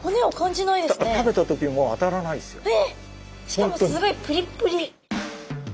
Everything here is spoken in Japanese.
しかもすごいプリップリ！